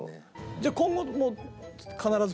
じゃあ今後も必ず。